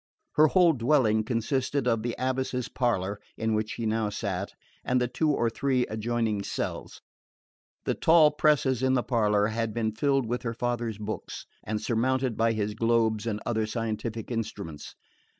Her whole dwelling consisted of the Abbess's parlour, in which she now sat, and the two or three adjoining cells. The tall presses in the parlour had been filled with her father's books, and surmounted by his globes and other scientific instruments.